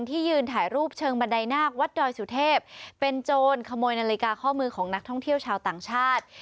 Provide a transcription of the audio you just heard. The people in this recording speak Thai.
ที่ยืนถ่ายรูปเชิงบันไดนาควัดดอยสุเทพเป็นโจรขโมยนาฬิกาข้อมือของนักท่องเที่ยวชาวต่างชาติ